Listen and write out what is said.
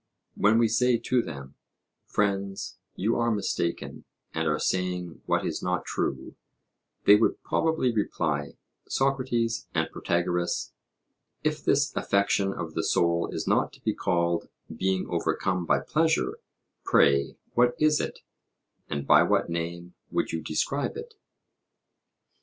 When we say to them: Friends, you are mistaken, and are saying what is not true, they would probably reply: Socrates and Protagoras, if this affection of the soul is not to be called 'being overcome by pleasure,' pray, what is it, and by what name would you describe it?